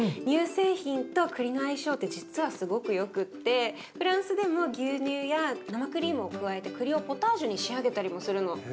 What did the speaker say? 乳製品とくりの相性って実はすごくよくってフランスでも牛乳や生クリームを加えてくりをポタージュに仕上げたりもするの。